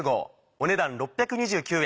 お値段６２９円。